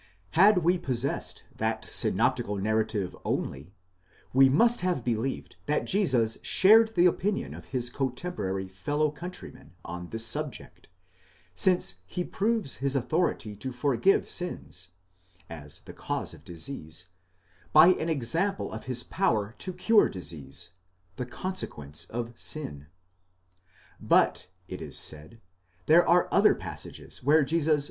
_ Had we possessed that synoptical narrative only, we must have believed that Jesus shared the opinion of his cotemporary fellow countrymen on this subject, since he proves his authority to forgive sins (as the cause of disease) by an example of his power to cure disease (the consequence of sin). But, it is said, there are other passages where Jesus.